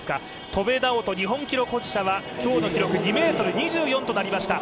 戸邉直人日本記録保持者は今日の記録２ｍ２４となりました